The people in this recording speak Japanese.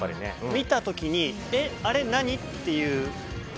見た時に「えっあれ何？」っていう。